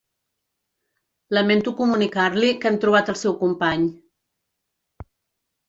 Lamento comunicar-li que hem trobat el seu company.